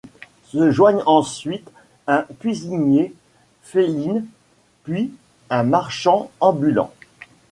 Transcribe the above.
Se joignent ensuite un cuisinier félyne puis un marchand ambulant.